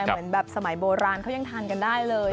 เหมือนแบบสมัยโบราณเขายังทานกันได้เลย